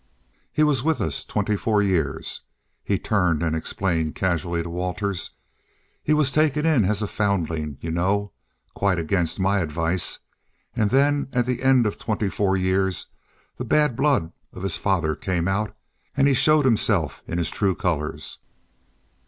"He was with us twenty four years." He turned and explained casually to Waters. "He was taken in as a foundling, you know. Quite against my advice. And then, at the end of the twenty four years, the bad blood of his father came out, and he showed himself in his true colors.